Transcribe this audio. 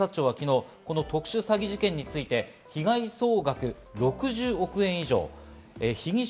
警察庁は昨日、特殊詐欺事件について被害総額６０億円以上、被疑者